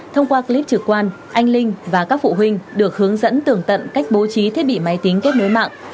thông qua clip trực quan anh linh và các phụ huynh được hướng dẫn tường tận cách bố trí thiết bị máy tính kết nối mạng